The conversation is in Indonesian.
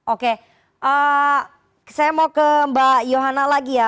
oke saya mau ke mbak yohana lagi ya